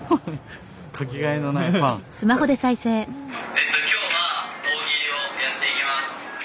えっと今日は大喜利をやっていきます。